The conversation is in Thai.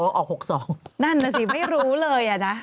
นั่นแหละสิไม่รู้เลยน่ะ